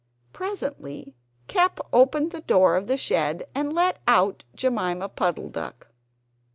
Presently Kep opened the door of the shed and let out Jemima Puddle duck.